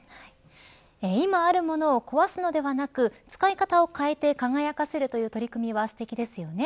今あるものを壊すのではなく使い方を変えて輝かせる取り組みはすてきですよね。